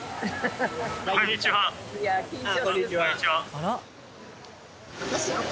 あら！